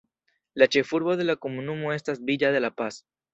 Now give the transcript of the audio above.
La ĉefurbo de la komunumo estas Villa de la Paz.